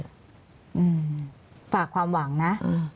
อืมฝากความหวังนะ